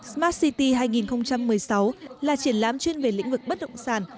smart city hai nghìn một mươi sáu là triển lãm chuyên về lĩnh vực bất động sản